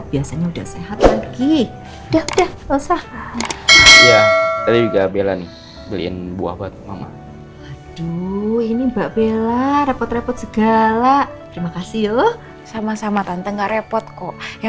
bahasanya terus langsung rizwan mana coba